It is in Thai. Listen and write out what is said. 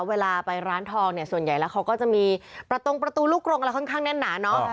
เวลาไปร้านทองเนี่ยส่วนใหญ่แล้วเขาก็จะมีประตงประตูลูกกรงอะไรค่อนข้างแน่นหนาเนอะ